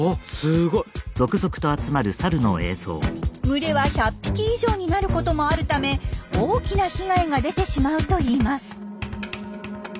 群れは１００匹以上になることもあるため大きな被害が出てしまうといいます。